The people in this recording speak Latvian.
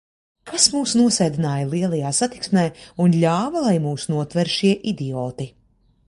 Kas mūs nosēdināja lielajā satiksmē un ļāva, lai mūs notver šie idioti?